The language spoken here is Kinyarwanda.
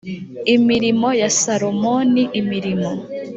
imirimo ya salomoni imirimo